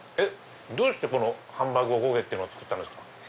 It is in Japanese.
どうしてハンバーグ・おこげを作ったんですか？